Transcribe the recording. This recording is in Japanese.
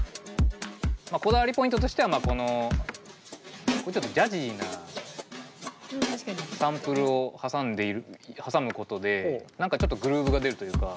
こだわりポイントとしてはこのちょっとジャジーなサンプルを挟むことで何かちょっとグルーヴが出るというか。